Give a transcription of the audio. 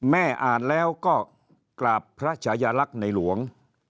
แม่อ่านแล้วก็กราบพระชายลักษณ์ในหลวง